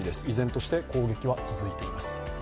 依然として攻撃は続いています。